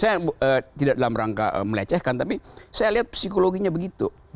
saya tidak dalam rangka melecehkan tapi saya lihat psikologinya begitu